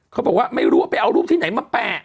เขาบอกว่าไม่รู้ว่าไปเอารูปที่ไหนมาแปะ